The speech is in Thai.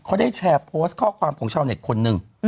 เขาได้แชร์โพสต์ข้อความของชาวเน็ตคนหนึ่ง